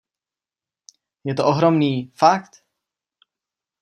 Je to ohromný, fakt.